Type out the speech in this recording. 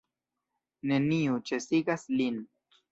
Neniu ĉesigas lin.